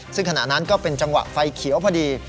ซึ่งขณะนั้นก็เป็นจังหวะไฟเขียวพอดี